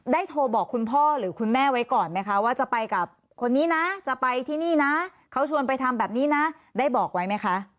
โทรบอกคุณพ่อหรือคุณแม่ไว้ก่อนไหมคะว่าจะไปกับคนนี้นะจะไปที่นี่นะเขาชวนไปทำแบบนี้นะได้บอกไว้ไหมคะ